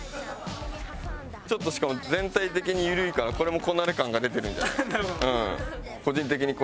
ちょっとしかも全体的に緩いからこれも「こなれ感」が出てるんじゃない？